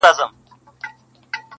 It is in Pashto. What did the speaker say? ما په نوم د انتقام يې ته وهلی،